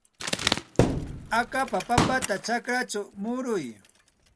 Akapa papata chakrachaw muruy.